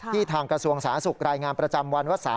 ทางกระทรวงสาธารณสุขรายงานประจำวันว่า